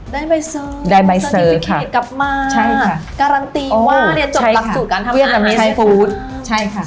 ได้ใบเสิร์ฟได้ใบเสิร์ฟค่ะกลับมาใช่ค่ะการันตีว่าเรียนจบตักสูตรการทำงานใช่ค่ะ